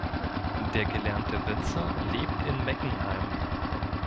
Der gelernte Winzer lebt in Meckenheim.